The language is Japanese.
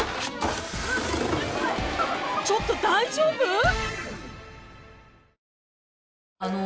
ちょっと大丈夫⁉